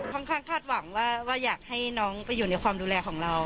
คาดหวังว่าอยากให้น้องไปอยู่ในความดูแลของเรา